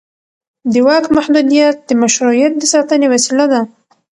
د واک محدودیت د مشروعیت د ساتنې وسیله ده